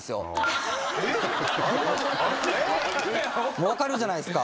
もう分かるじゃないですか。